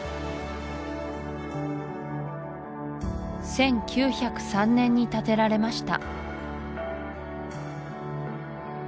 １９０３年に建てられました